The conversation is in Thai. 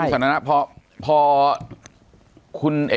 ปากกับภาคภูมิ